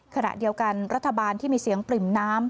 ขณะเดียวกันรัฐบาลที่มีเสียงปริ่มน้ำ